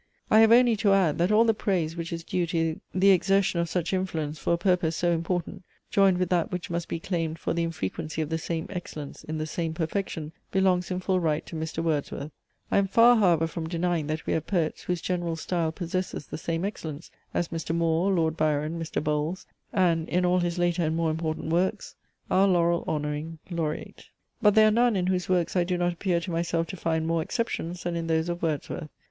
I have only to add, that all the praise which is due to the exertion of such influence for a purpose so important, joined with that which must be claimed for the infrequency of the same excellence in the same perfection, belongs in full right to Mr. Wordsworth. I am far however from denying that we have poets whose general style possesses the same excellence, as Mr. Moore, Lord Byron, Mr. Bowles, and, in all his later and more important works, our laurel honouring Laureate. But there are none, in whose works I do not appear to myself to find more exceptions, than in those of Wordsworth.